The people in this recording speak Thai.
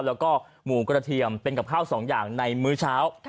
แล้วก็หมูกระเทียมเป็นกับข้าวสองอย่างในมื้อเช้า